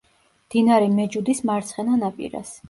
მდინარე მეჯუდის მარცხენა ნაპირას.